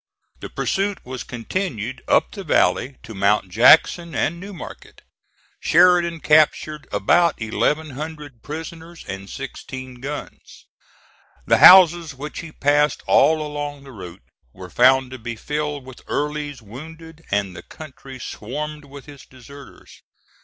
The pursuit was continued up the valley to Mount Jackson and New Market. Sheridan captured about eleven hundred prisoners and sixteen guns. The houses which he passed all along the route were found to be filled with Early's wounded, and the country swarmed with his deserters.